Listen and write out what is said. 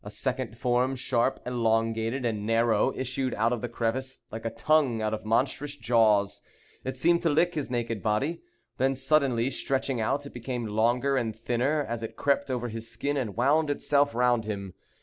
A second form, sharp, elongated, and narrow, issued out of the crevice, like a tongue out of monstrous jaws. It seemed to lick his naked body. Then suddenly stretching out, it became longer and thinner, as it crept over his skin, and wound itself round him.